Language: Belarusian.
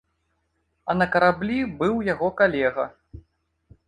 А на караблі быў яго калега.